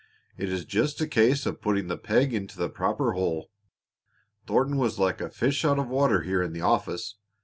It is just a case of putting the peg into the proper hole. Thornton was like a fish out of water here in the office.